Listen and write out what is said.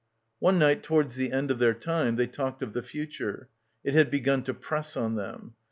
One night towards the end of their time they talked of the future. It had begun to press on them.